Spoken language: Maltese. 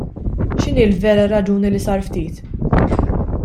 X'inhi l-vera raġuni li sar ftit?